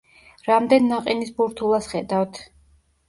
რამდენ ნაყინის ბურთულას ხედავთ?